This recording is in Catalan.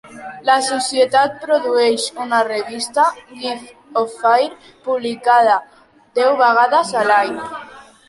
La societat produeix una revista, "Gift of Fire", publicada deu vegades a l'any.